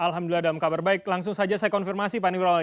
alhamdulillah dalam kabar baik langsung saja saya konfirmasi pak nurwan